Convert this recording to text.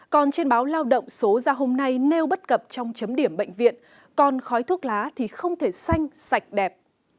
còn trên báo lao động số ra hôm nay nêu bất cập trong chấm điểm bệnh viện còn khói thuốc lá thì không thể xanh sạch đẹp